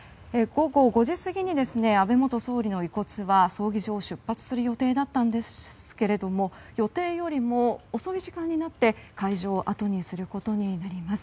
午後５時過ぎに安倍元総理の遺骨は葬儀場を出発する予定だったんですけれども予定よりも遅い時間になって会場をあとにすることになります。